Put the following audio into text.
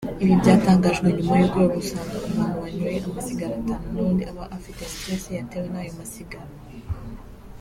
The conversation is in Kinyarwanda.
Ibi byatangajwe nyuma yo gusanga umuntu wanyoye amasigara atanu n’ubundi aba afite stress yatewe n’ayo masigara